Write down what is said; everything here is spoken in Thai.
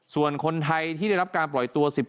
ส่วนคนไทยที่ได้รับการปล่อยตัว๑๙